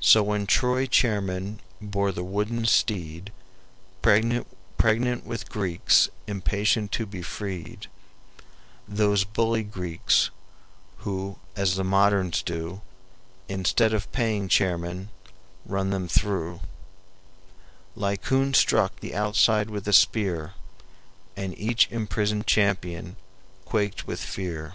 So when Troy chairmen bore the wooden steed Pregnant with Greeks impatient to be freed, (Those bully Greeks, who, as the moderns do, Instead of paying chairmen, run them through); Laocoon struck the outside with a spear, And each imprisoned champion quaked with fear."